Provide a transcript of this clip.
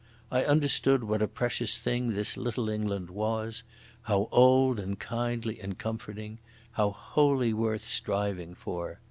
I understood what a precious thing this little England was, how old and kindly and comforting, how wholly worth striving for.